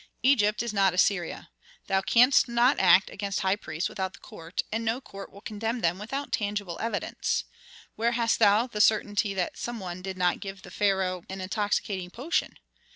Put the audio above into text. Egypt is not Assyria; thou canst not act against high priests without the court, and no court will condemn them without tangible evidence. Where hast thou the certainty that some one did not give the pharaoh an intoxicating potion?